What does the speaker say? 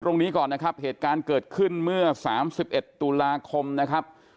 ตรงนี้ก่อนนะครับเหตุการณ์เกิดขึ้นเมื่อ๓๑ตุลาคมนะครับ